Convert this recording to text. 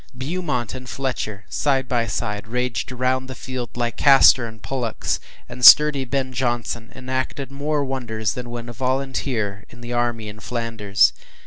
Beaumont and Fletcher, side by side, raged round the field like Castor and Pollux, and sturdy Ben Jonson enacted more wonders than when a volunteer with the army in Flanders.